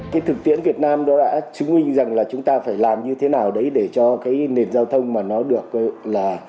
cái thực tiễn việt nam đó đã chứng minh rằng là chúng ta phải làm như thế nào đấy để cho cái nền giao thông mà nó được là